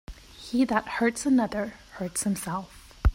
He that hurts another, hurts himself.